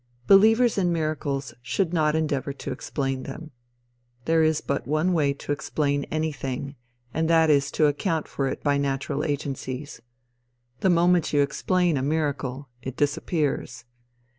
Believers in miracles should not endeavor to explain them. There is but one way to explain anything, and that is to account for it by natural agencies. The moment you explain a miracle, it disappears.